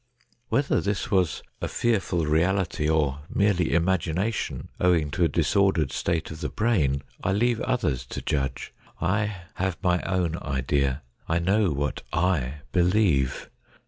Whether this was a fearful reality, or merely imagination owing to a disordered state of the brain, I leave others to judge. I have my own idea. I know what I believe.